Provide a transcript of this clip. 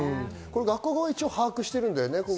学校側は一応把握してるんだよね。